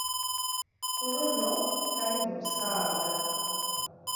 Ku luno tali mu kusaaga.